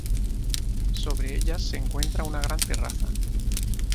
Sobre ellas se encuentra una gran terraza.